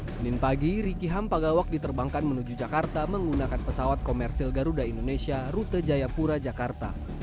senin pagi riki ham pagawak diterbangkan menuju jakarta menggunakan pesawat komersil garuda indonesia rute jayapura jakarta